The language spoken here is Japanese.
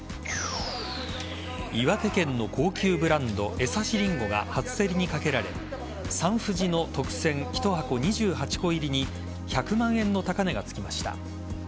岩手県の高級ブランド江刺りんごが初競りにかけられサンふじの特選１箱２８個入りに１００万円の高値がつきました。